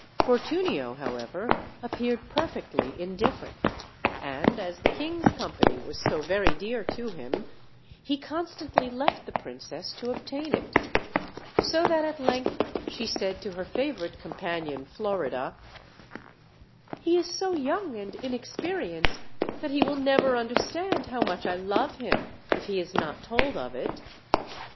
Fortunio, however, appeared perfectly indifferent; and as the king's company was so very dear to him, he con stantly left the princess to obtain it; so that at length she said to her favorite companion, Florida: "He is so young and inexperienced that he will never understand now much I love him, if he is not told of it.